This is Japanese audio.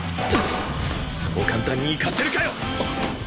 そう簡単にいかせるかよ！